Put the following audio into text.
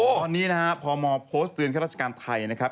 ตอนนี้นะฮะพมโพสต์เตือนข้าราชการไทยนะครับ